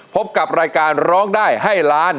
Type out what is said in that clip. พบกับรายการร้องได้ให้ล้าน